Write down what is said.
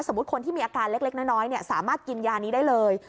คนที่มีอาการเล็กน้อยสามารถกินยานี้ได้เลย